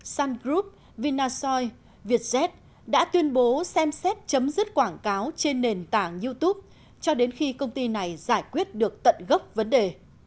sun group vinasoy vietjet đã tuyên bố xem xét chấm dứt quảng cáo trên nền tảng youtube cho đến khi công ty này giải quyết được tận gốc vấn đề